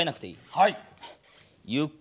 はい。